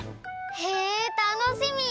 へえたのしみ！